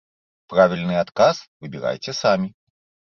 Правільны адказ выбірайце самі.